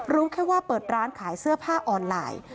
รู้แค่ว่าเปิดร้านขายเสื้อผ้าออนไลน์